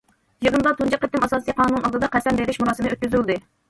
يىغىندا تۇنجى قېتىم ئاساسىي قانۇن ئالدىدا قەسەم بېرىش مۇراسىمى ئۆتكۈزۈلدى.